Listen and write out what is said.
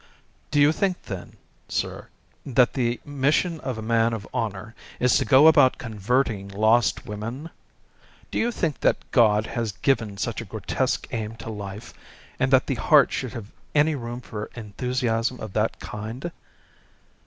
"Do you think, then, sir, that the mission of a man of honour is to go about converting lost women? Do you think that God has given such a grotesque aim to life, and that the heart should have any room for enthusiasm of that kind?